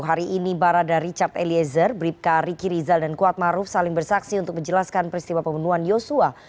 hari ini barada richard eliezer bribka riki rizal dan kuatmaruf saling bersaksi untuk menjelaskan peristiwa pembunuhan yosua